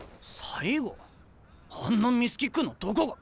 あんなミスキックのどこが。